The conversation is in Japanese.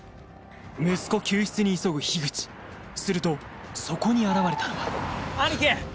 息子救出に急ぐ口するとそこに現れたのは兄貴！